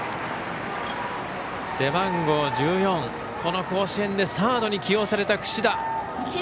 背番号１４、この甲子園でサードに起用された櫛田。